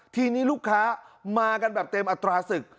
ทีนี้ลูกค้ามากันแบบเต็มอัตราศึก